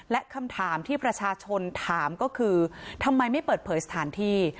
และคำถามที่ประชาชนถามก็คือทำไมไม่เปิดเผยสถานที่